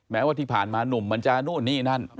แม้ว่าที่ผ่านมาหนุ่มมันจะนู่นนี่นั่น